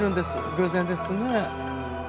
偶然ですね。